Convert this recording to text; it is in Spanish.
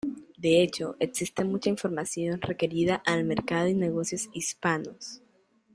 De hecho, existe mucha información referida al mercado y negocios hispanos.